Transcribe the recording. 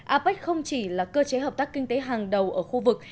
apec không chỉ là cơ chế hợp tác kinh tế hàng đầu ở khu vực